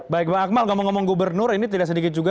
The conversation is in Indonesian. baik bang akmal ngomong ngomong gubernur ini tidak sedikit juga